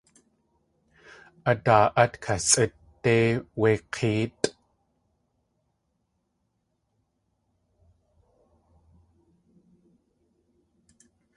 A daa át kasʼít déi wéi k̲éetʼ!